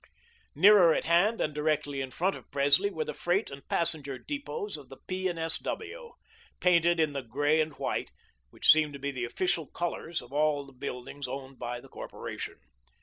Nearer at hand, and directly in front of Presley, were the freight and passenger depots of the P. and S. W., painted in the grey and white, which seemed to be the official colours of all the buildings owned by the corporation.